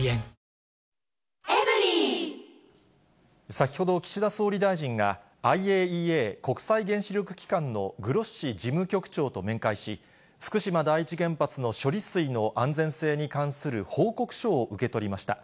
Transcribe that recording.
先ほど、岸田総理大臣がＩＡＥＡ・国際原子力機関のグロッシ事務局長と面会し、福島第一原発の処理水の安全性に関する報告書を受け取りました。